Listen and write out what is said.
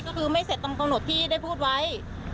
ก็คือไม่เสร็จตรงกำหนดที่ได้พูดไว้